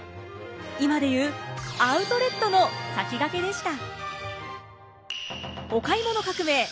今で言うアウトレットの先駆けでした。